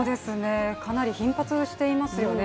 かなり頻発していますよね。